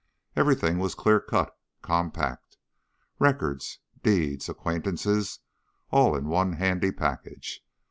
Everything was clear cut, compact. Records, deeds, acquaintances all in one handy package.